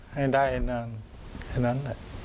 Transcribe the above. ให้ได้เท่านั้น